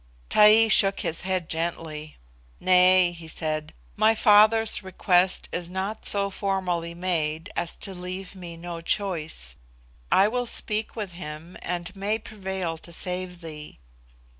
Taee shook his head gently. "Nay," he said, "my father's request is not so formally made as to leave me no choice. I will speak with him, and may prevail to save thee.